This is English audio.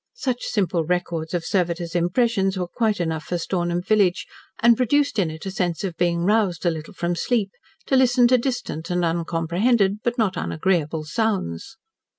Such simple records of servitors' impressions were quite enough for Stornham village, and produced in it a sense of being roused a little from sleep to listen to distant and uncomprehended, but not unagreeable, sounds.